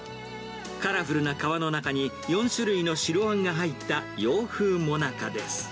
カラフルな皮の中に、４種類の白あんが入った洋風もなかです。